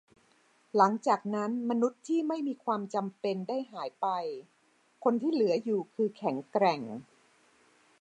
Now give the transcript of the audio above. หลังจากนั้น มนุษย์ที่ไม่มีความจำเป็นได้หายไป คนที่เหลืออยู่คือแข็งแกร่ง